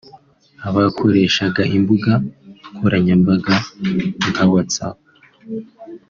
abakoreshaga imbuga nkoranyambaga nka WhatsApp